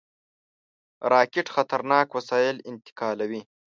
راکټ خطرناک وسایل انتقالوي